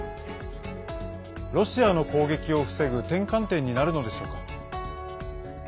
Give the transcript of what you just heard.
ロシアの攻撃を防ぐ転換点になるのでしょうか。